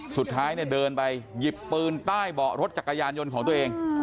สุดท้ายเนี่ยเดินไปหยิบปืนใต้เบาะรถจักรยานยนต์ของตัวเอง